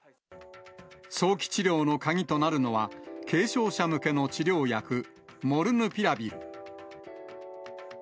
早期治療の鍵となるのは、軽症者向けの治療薬、モルヌピラビル。